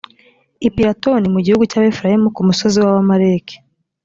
i piratoni mu gihugu cy abefurayimu ku musozi w abamaleki